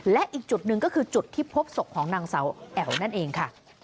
และอีกจุดหนึ่งก็คือจุดที่พบศพของนางเสาแอ๋วนั่นเองค่ะ